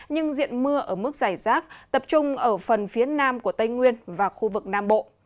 nhưng diện mưa ở mức dài rác tập trung ở phần phía nam của tây nguyên và khu vực nam bộ